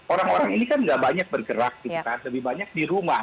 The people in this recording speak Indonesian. orang orang ini kan nggak banyak bergerak gitu kan lebih banyak di rumah